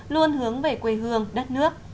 luôn hướng về quê hương đất nước